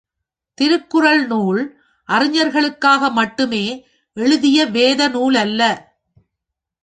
திருக்குறள் நூல் அறிஞர்களுக்காக மட்டுமே எழுதிய வேத நூலல்ல.